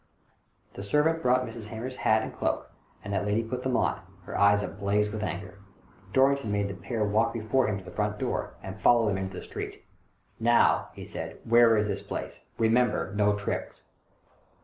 The servant brought Mrs. Hamer's hat and cloak, and that lady put them on, her eyes ablaze with anger. Dorrington made the pair walk before him to the front door, and followed them into the street. "Now," he said, " where is this place? Eemember, no tricks